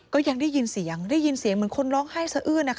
ก็ยังได้ยินเสียงได้ยินเสียงเหมือนคนร้องไห้สะอื้นนะคะ